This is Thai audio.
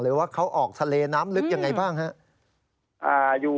หรือว่าเขาออกทะเลน้ำลึกยังไงบ้างครับ